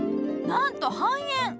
なんと半円！